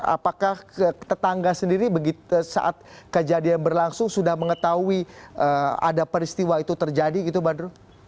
apakah tetangga sendiri saat kejadian berlangsung sudah mengetahui ada peristiwa itu terjadi gitu badru